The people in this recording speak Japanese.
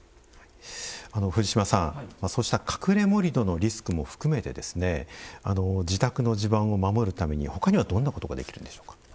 藤島さんそうした「隠れ盛土」のリスクも含めて自宅の地盤を守るために他にはどんなことができるんでしょうか？